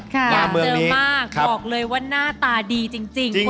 อยากเจอมากบอกเลยว่าหน้าตาดีจริง